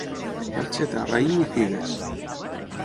Barxeta, raïm i figues.